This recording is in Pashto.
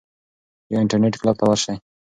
یا انټرنیټ کلب ته ورشئ.